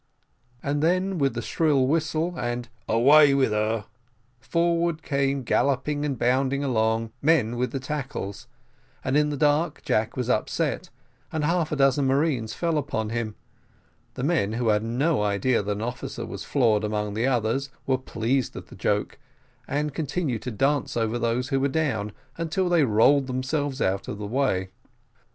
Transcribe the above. And then with the shrill whistle, and "Away with her!" forward came galloping and bounding along the men with the tackles; and in the dark Jack was upset, and half a dozen marines fell upon him; the men, who had no idea that an officer was floored among the others, were pleased at the joke, and continued to dance over those who were down, until they rolled themselves out of the way.